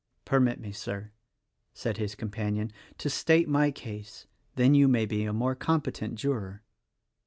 "Permit me, Sir," said his companion, "to state my case, — then you may be a more competent juror."